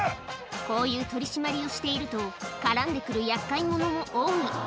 こういう取締りをしていると、絡んでくる厄介者も多い。